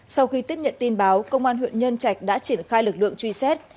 sau khi tiếp nhận tin báo công an huyện nhân trạch đã triển khai lực lượng truy xét